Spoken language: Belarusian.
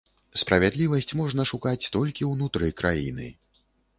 Справядлівасць можна шукаць толькі ўнутры краіны.